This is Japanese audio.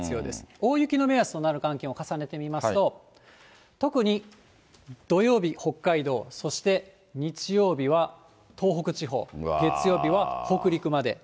大雪の目安となる可能性を重ねてみますと、特に土曜日、北海道、日曜日は東北地方、月曜日は北陸まで。